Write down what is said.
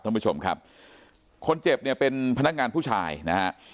ท่านผู้ชมครับคนเจ็บเนี่ยเป็นพนักงานผู้ชายนะฮะ